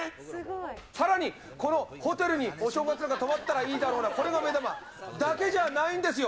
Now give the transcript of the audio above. さらに、このホテルにお正月、泊まったらいいだろうな、これが目玉、だけじゃないんですよ。